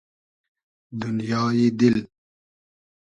دونیای دیل